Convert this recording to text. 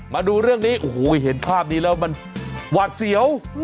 มาดูเรื่องนี้โอ้โหเห็นภาพนี้แล้วมันหวาดเสียว